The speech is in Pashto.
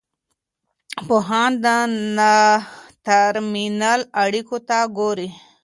پوهان د ترمینل اړیکو ته ګوري.